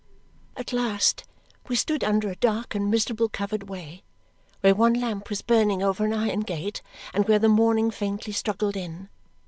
At last we stood under a dark and miserable covered way, where one lamp was burning over an iron gate and where the morning faintly struggled in.